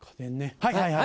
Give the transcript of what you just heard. はいはい！